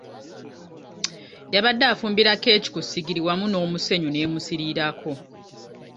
Yabadde fumbira keeki ku ssigiri wamu n'omusenyu n'emusiirirako.